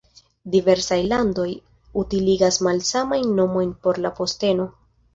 Diversaj landoj utiligas malsamajn nomojn por la posteno.